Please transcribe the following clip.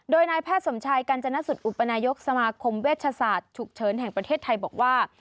โดยนายแพทย์สมชายกัญจนสุดอุปนายกสมาคมเวชศาสตร์ฉุกเฉินแห่งประเทศไทยบอกว่า